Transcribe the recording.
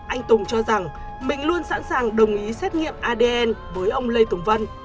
anh tùng cho rằng mình luôn sẵn sàng đồng ý xét nghiệm adn với ông lê tùng vân